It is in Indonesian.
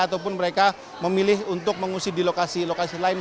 ataupun mereka memilih untuk mengungsi di lokasi lokasi lain